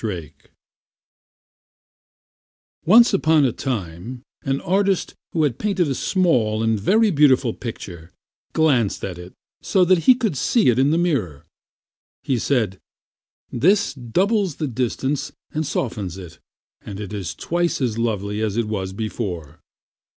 A FABLE Once upon a time an artist who had painted a small and very beautiful picture placed it so that he could see it in the mirror. He said, "This doubles the distance and softens it, and it is twice as lovely as it was before."